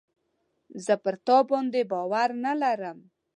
زه پر تا باندي باور نه لرم .